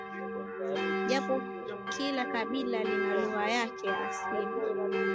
japo kila kabila lina lugha yake ya asili